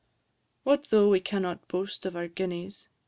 What though we cannot boast of our guineas?